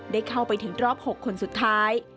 ได้เข้าไปถึงรอบ๖คนสุดท้าย